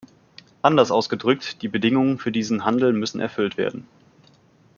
Anders ausgedrückt, die Bedingungen für diesen Handel müssen erfüllt werden.